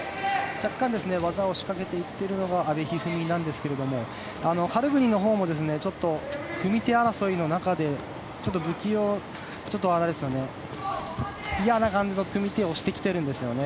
若干、技を仕掛けていっているのが阿部一二三なんですがカルグニンのほうも組み手争いの中で嫌な感じの組み手をしてきているんですよね。